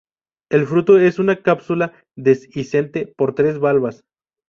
El fruto es una cápsula dehiscente por tres valvas.